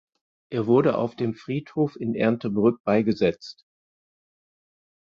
Er wurde auf dem Friedhof in Erndtebrück beigesetzt.